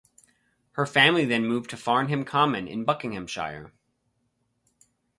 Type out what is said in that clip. Her family then moved to Farnham Common in Buckinghamshire.